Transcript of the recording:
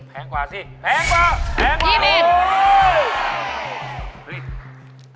แพงกว่าสิแพงกว่า๒๐